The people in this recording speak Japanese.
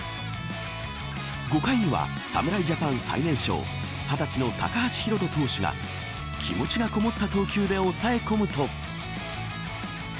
５回には、侍ジャパン最年少２０歳の高橋宏斗投手が気持ちがこもった投球で押さえ込むと。